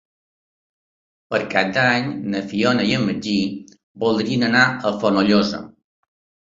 Per Cap d'Any na Fiona i en Magí voldrien anar a Fonollosa.